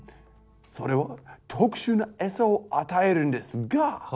それは特殊なエサを与えるんですが。